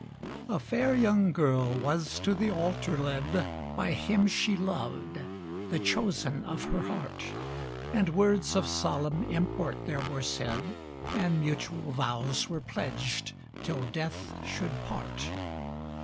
A fair young girl was to the altar led By him she loved, the chosen of her heart; And words of solemn import there were said, And mutual vows were pledged till death should part.